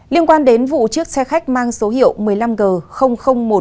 liên quan đến vụ chiếc xe khách mang số hiệu một mươi năm g một trăm bốn mươi bảy